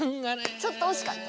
ちょっと惜しかった。